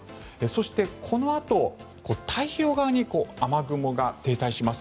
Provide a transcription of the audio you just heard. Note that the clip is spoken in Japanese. そして、このあと太平洋側に雨雲が停滞します。